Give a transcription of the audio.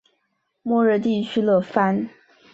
莫热地区勒潘。